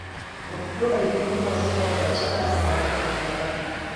Mu ddwaliro mulimu abasawo abakyala awamu n'abaami.